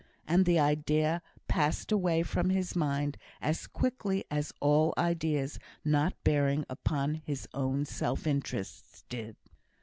And the idea passed away from his mind as quickly as all ideas not bearing upon his own self interests did.